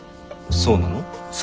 そうなの。